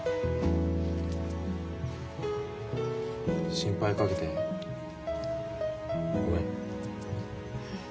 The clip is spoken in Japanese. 心配かけてごめん。